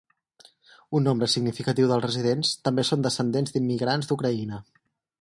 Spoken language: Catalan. Un nombre significatiu dels residents també són descendents d'immigrants d'Ucraïna.